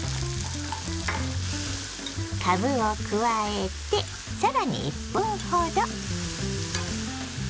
かぶを加えて更に１分ほど。